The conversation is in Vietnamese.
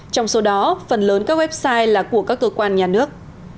trong số đó phần lớn các website là của các cơ quan nhà nước